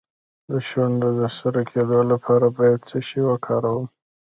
د شونډو د سره کیدو لپاره باید څه شی وکاروم؟